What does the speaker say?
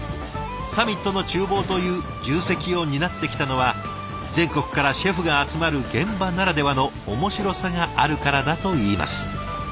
サミットのちゅう房という重責を担ってきたのは全国からシェフが集まる現場ならではの面白さがあるからだといいます。